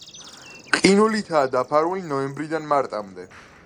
ყინულითაა დაფარული ნოემბრიდან მარტამდე.